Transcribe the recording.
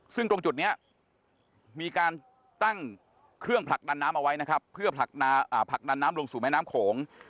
ซึ่งตรงจุดนี้มีการตั้งเครื่องผลักดันน้ำเอาไว้นะครับเพื่อผลักดันน้ำลงสู่แม่น้ำโขง